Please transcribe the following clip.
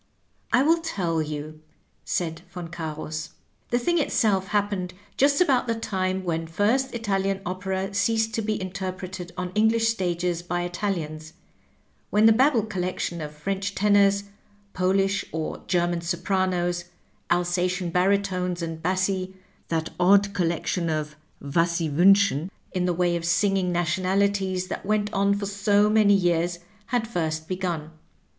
" I will tell you," said Yon Oarus. " The thing itself happened just about the time when first Italian opera ceased to be interpreted on English stages by Italians, when the Babel collection of French tenors, Polish or German sopranos, Alsatian baritones and bassi, that odd collection of Was Sie toimsohen in the way of singing nationalities that went on for so many years had first begun.